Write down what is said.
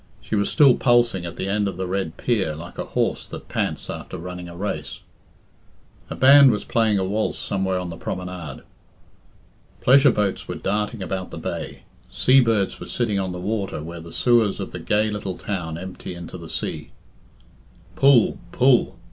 She was still pulsing at the end of the red pier like a horse that pants after running a race. A band was playing a waltz somewhere on the promenade. Pleasure boats were darting about the bay. Sea birds were sitting on the water where the sewers of the gay little town empty into the sea. Pull, pull!